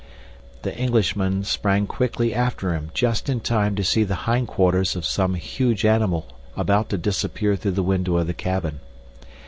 The Englishman sprang quickly after him just in time to see the hind quarters of some huge animal about to disappear through the window of the cabin.